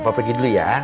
opa pergi dulu ya